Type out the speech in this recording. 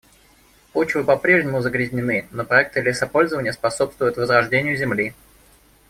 Почвы по-прежнему загрязнены, но проекты лесопользования способствуют возрождению земли.